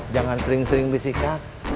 jangan sering sering disikat